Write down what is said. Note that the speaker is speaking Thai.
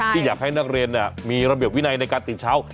ที่อยากให้นักเรียนมีระเบียบวินัยในการตื่นเช้า